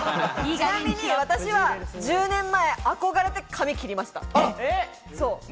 ちなみに私は１０年前、憧れて髪切りました。